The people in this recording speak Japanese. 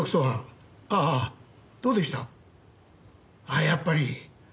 あっやっぱり。